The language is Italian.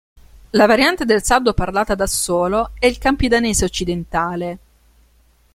La variante del sardo parlata ad Assolo è il campidanese occidentale.